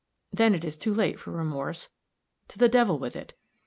Then it is too late for remorse to the devil with it.